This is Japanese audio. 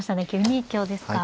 ９二香ですか。